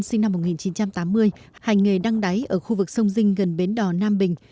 sinh năm một nghìn chín trăm tám mươi hành nghề đăng đáy ở khu vực sông dinh gần bến đò nam bình